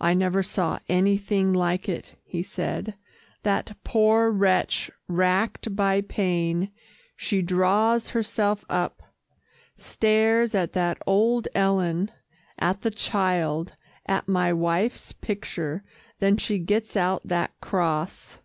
"I never saw anything like it," he said, "that poor wretch racked by pain. She draws herself up stares at that old Ellen, at the child at my wife's picture then she gets out that cross.